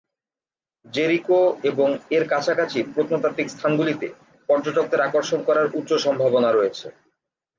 Jericho এবং এর কাছাকাছি প্রত্নতাত্ত্বিক স্থানগুলিতে পর্যটকদের আকর্ষণ করার উচ্চ সম্ভাবনা রয়েছে।